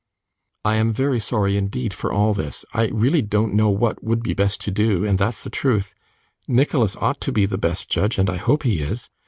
'I am very sorry, indeed, for all this. I really don't know what would be best to do, and that's the truth. Nicholas ought to be the best judge, and I hope he is.